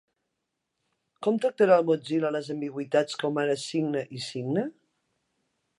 Com tractarà el Mozilla les ambigüitats com ara cigne i signe?